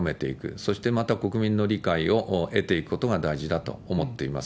そしてまた国民の理解を得ていくことが大事だと思っています。